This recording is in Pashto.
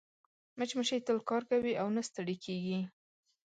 مچمچۍ تل کار کوي او نه ستړې کېږي